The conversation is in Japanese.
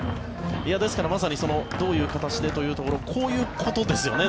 ですからまさにどういう形でというところこういうことですよね。